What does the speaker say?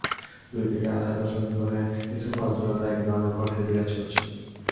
দুই থেকে আড়াই দশক ধরে স্কুল-কলেজগুলোতেও একই ধরনের পরিস্থিতি বিরাজ করছে।